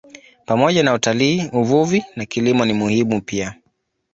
Pamoja na utalii, uvuvi na kilimo ni muhimu pia.